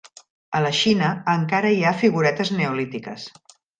A la Xina, encara hi ha figuretes neolítiques.